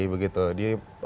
ini berbasis di singapura